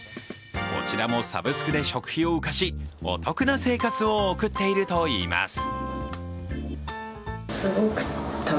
こちらもサブスクで食費を浮かしお得な生活を送っているといいます。